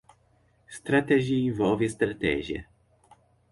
Strategy envolve estratégia.